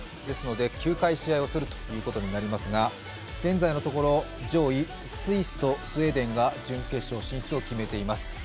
ですので９回試合をするということになりますが、現在のところ、上位スイスとスウェーデンが準決勝進出を決めています。